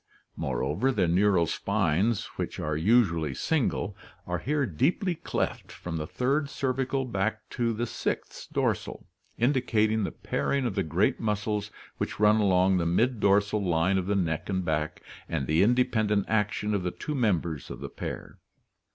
Moreover, the neural spines, which are usually single, are here deeply cleft from the third cervical back to the sixth dorsal, indicating the pairing of the great muscles which run along the mid dorsal line of the neck and back, and the independent action of the two members of the pair.